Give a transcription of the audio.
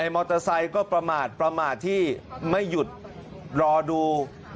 มอเตอร์ไซค์ก็ประมาทประมาทที่ไม่หยุดรอดู